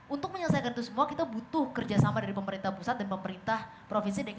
untuk menyelesaikan itu semua kita butuh kerjasama dari pemerintah pusat dan pemerintah provinsi dki